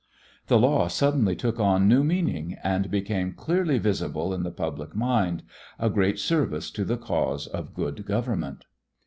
The law suddenly took on new meaning and became clearly visible in the public mind, a great service to the cause of good government.